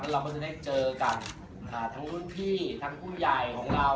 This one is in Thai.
เราก็จะได้เจอกับทั้งรุ่นพี่ทั้งผู้ใหญ่ของเรา